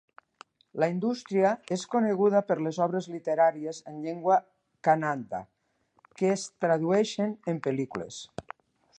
La indústria és coneguda per les obres literàries en llengua kannada, que es tradueixen en pel·lícules.